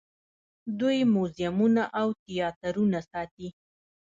دوی موزیمونه او تیاترونه ساتي.